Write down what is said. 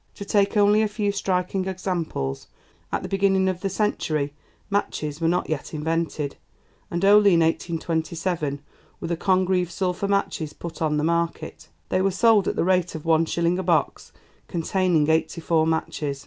To take only a few striking examples: at the beginning of the century matches were not yet invented, and only in 1827 were the 'Congreve' sulphur matches put on the market; they were sold at the rate of one shilling a box containing eighty four matches!